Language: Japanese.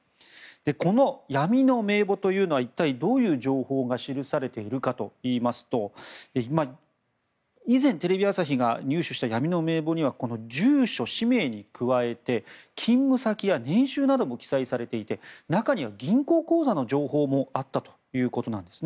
この闇の名簿というのは一体どういう情報が記されているかといいますと以前、テレビ朝日が入手した闇の名簿には住所・氏名に加えて勤務先や年収なども記載されていて中には銀行口座の情報もあったということなんですね。